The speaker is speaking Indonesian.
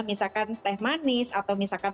misalkan teh manis atau misalkan